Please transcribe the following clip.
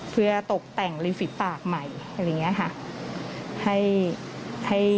เพื่อตกแต่งริมฝีปากใหม่อะไรอย่างนี้ค่ะ